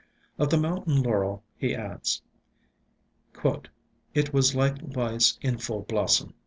Of the Mountain Laurel he adds, "It was likewise in full blossom.